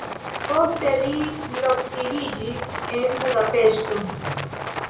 Poste li loksidiĝis en Budapeŝto.